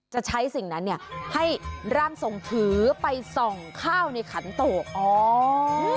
จะใช้สิ่งนั้นเนี่ยให้ร่างทรงถือไปส่องข้าวในขันโตกอ๋อ